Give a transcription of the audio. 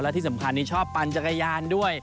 และที่สำคัญนี่ชอบปั่นจักรยานด้วย